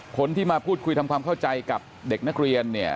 คนที่มาพูดคุยทำความเข้าใจกับเด็กนักเรียนเนี่ย